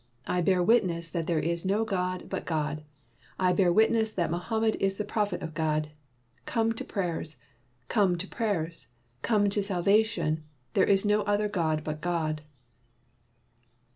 I bear witness that there is no god but God! I bear wit ness that Mohammed is the Prophet of God ! Come to prayers ! Come to prayers ! Come to salvation! There is no other god but God!"